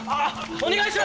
お願いします！